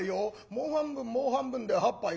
もう半分もう半分で８杯か。